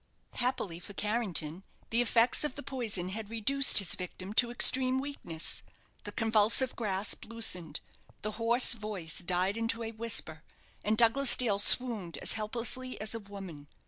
Happily for Carrington, the effects of the poison had reduced his victim to extreme weakness. The convulsive grasp loosened, the hoarse voice died into a whisper, and Douglas Dale swooned as helplessly as a woman.